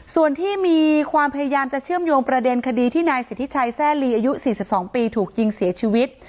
ส่วนที่มีความพยายามจะเชื่อมโยงประเด็นคดีที่นายสิทธิชัยแร่ลีอายุ๔๒ปีถูกยิงเสียชีวิต